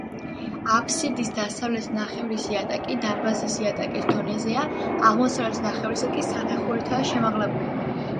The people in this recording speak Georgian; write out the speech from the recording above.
აფსიდის დასავლეთ ნახევრის იატაკი დარბაზის იატაკის დონეზეა, აღმოსავლეთ ნახევრისა კი საფეხურითაა შემაღლებული.